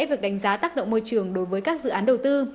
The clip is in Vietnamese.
việc đánh giá tác động môi trường đối với các dự án đầu tư